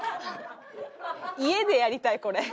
家でやりたいこれ。